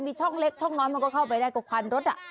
มีช่องเล็กช่องน้อยมันก็เข้าไปได้ก็ควันรถ